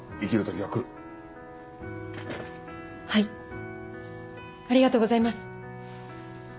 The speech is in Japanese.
ありがとうございます。